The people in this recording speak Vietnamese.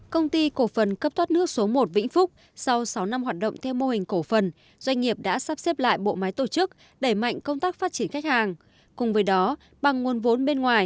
công ty cổ phần cấp thoát nước số một vĩnh phúc sau sáu năm hoạt động theo mô hình cổ phần doanh nghiệp đã sắp xếp lại bộ máy tổ chức đẩy mạnh công tác phát triển khách hàng